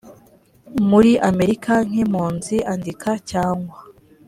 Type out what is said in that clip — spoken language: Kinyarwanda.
muri amerika nk impunzi andika cyangwa